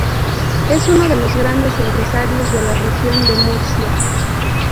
Es uno de los grandes empresarios de la Región de Murcia.